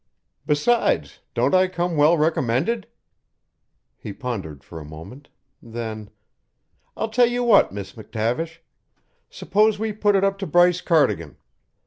"Besides, don't I come well recommended?" He pondered for a moment. Then: "I'll tell you what, Miss McTavish. Suppose we put it up to Bryce Cardigan.